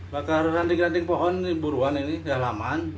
bakar ranting ranting pohon buruan ini di halaman